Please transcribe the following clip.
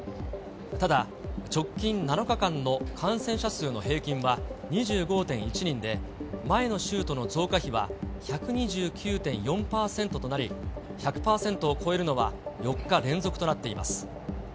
ただ、直近７日間の感染者数の平均は２５．１人で、前の週との増加比は１２９．４％となり、１００％を超えるのは、４日連続となっています。